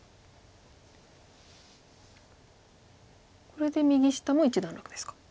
これで右下も一段落ですか。